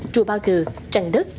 trùa bao cửa tràng đường